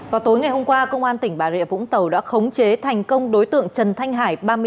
vào tối ngày hôm qua công an tỉnh bà rịa vũng tàu đã khống chế thành công đối tượng trần thanh hải